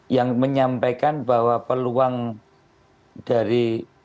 yang menyampaikan bahwa peluang dari